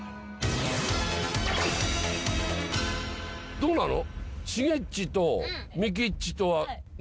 どうなの？